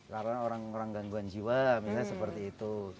karena orang orang gangguan jiwa misalnya seperti itu